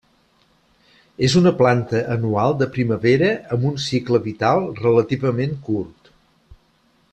És una planta anual de primavera amb un cicle vital relativament curt.